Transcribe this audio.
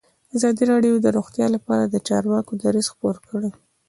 ازادي راډیو د روغتیا لپاره د چارواکو دریځ خپور کړی.